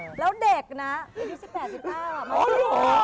จริงแล้วเด็กนะไม่ได้๑๘๑๕อ่ะ